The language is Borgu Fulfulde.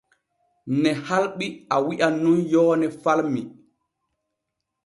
Ne halɓi a wi’an nun yoone falmi.